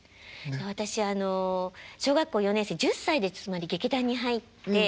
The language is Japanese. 私あの小学校４年生１０歳でつまり劇団に入って。